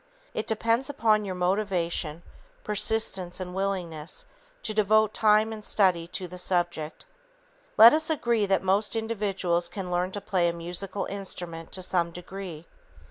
It depends upon your motivation, persistence and willingness to devote time and study to the subject. Let us agree that most individuals can learn to play a musical instrument to some degree.